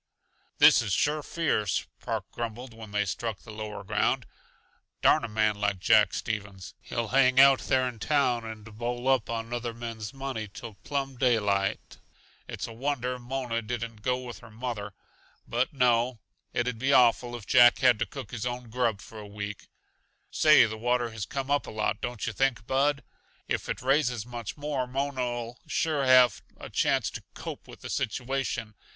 "This is sure fierce," Park grumbled when they struck the lower ground. "Darn a man like Jack Stevens! He'll hang out there in town and bowl up on other men's money till plumb daylight. It's a wonder Mona didn't go with her mother. But no it'd be awful if Jack had to cook his own grub for a week. Say, the water has come up a lot, don't yuh think, Bud? If it raises much more Mona'll sure have a chance to 'cope with the situation.